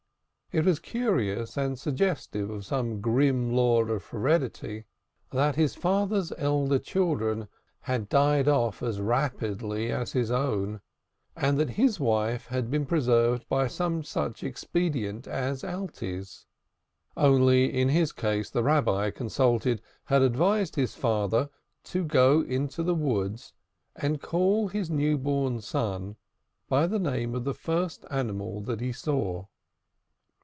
It was curious, and suggestive of some grim law of heredity, that his parents' elder children had died off as rapidly as his own, and that his life had been preserved by some such expedient as Alte's. Only, in his case the Rabbi consulted had advised his father to go into the woods and call his new born son by the name of the first animal that he saw.